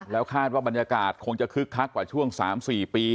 แล้วคาดว่าบรรยากาศคงจะคึกคักกว่าช่วง๓๔ปี